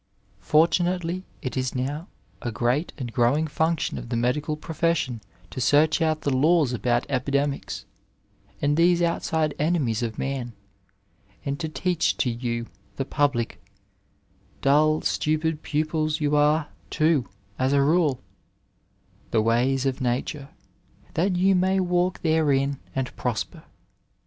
Fortunately it is now a great and growing function of the medical pro fession to search out the laws about epidemics, and these outside enemies of man, and to teach to you, the public — dull, stupid pupils you are, too, as a rule — ^the ways of Nature, that you may walk therein and prosper.